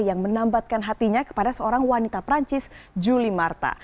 yang menambatkan hatinya kepada seorang wanita perancis julie marta